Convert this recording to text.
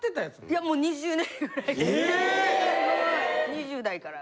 ２０代から。